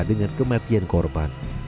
dan perempuan yang tersebut